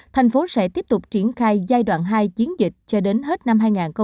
thành phố sẽ tiếp tục triển khai giai đoạn hai chiến dịch cho đến hết năm hai nghìn hai mươi